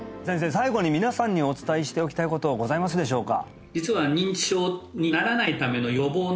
最後に皆さんにお伝えしておきたいことはございますでしょうか？